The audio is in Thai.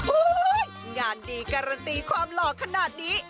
อุ๊ยงานดีการตีความหลอกขนาดนี้